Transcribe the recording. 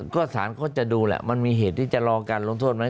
ก็สารเขาจะดูแหละมันมีเหตุที่จะรอการลงโทษไหม